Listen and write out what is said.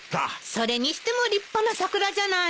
それにしても立派な桜じゃないの。